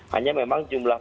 hanya memang jumlah